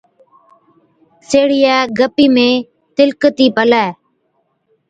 سيهڙِيئَي گپِي ۾ تِلڪتِي پلَي،